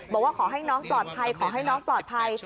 บอกว่าขอให้น้องปลอดภัยขอให้น้องปลอดภัย